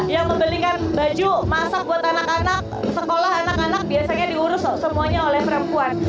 yang membelikan baju masak buat anak anak sekolah anak anak biasanya diurus semuanya oleh perempuan